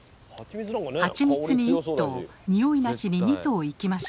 「ハチミツ」に１頭「におい無し」に２頭行きましたが。